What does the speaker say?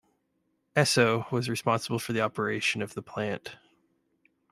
Esso was responsible for the operation of the plant.